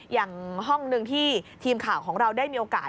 อย่างห้องหนึ่งที่ทีมข่าวของเราได้มีโอกาส